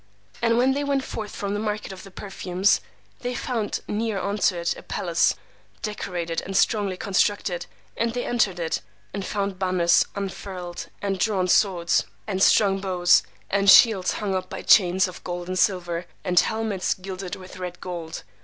And when they went forth from the market of the perfumers, they found near unto it a palace, decorated, and strongly constructed; and they entered it, and found banners unfurled, and drawn swords, and strung bows, and shields hung up by chains of gold and silver, and helmets gilded with red gold.